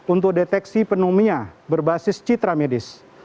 untuk deteksi pneumia berbasis citra medis